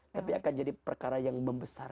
tapi akan jadi perkara yang membesar